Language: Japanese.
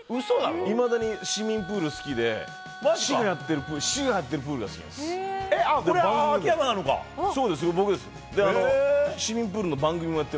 いまだに市民プールが好きで市がやってるプールが好きです。